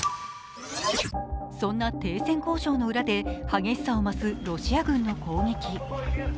そんな停戦交渉の裏で激しさを増すロシア軍の攻撃。